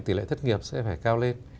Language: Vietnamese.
tỷ lệ thất nghiệp sẽ phải cao lên